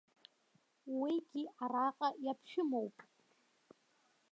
Уигьы араҟа иаԥшәымоуп.